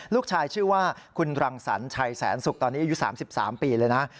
ชื่อว่าคุณรังสรรชัยแสนสุกตอนนี้อายุ๓๓ปีเลยนะ